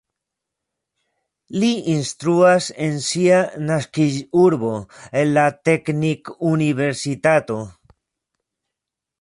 Li instruas en sia naskiĝurbo en la teknikuniversitato.